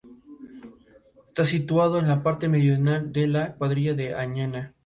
Tempranamente tuvo que incorporarse como jornalero en tareas agrícolas.